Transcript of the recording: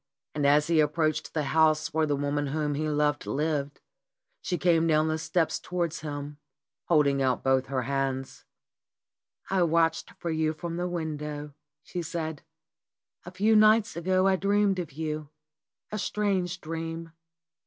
And as he approached the house where the woman whom he loved lived, she came down the steps towards him, holding out both her hands. "I watched for you from the window," she said. "A few nights ago I dreamed of you, a strange dream.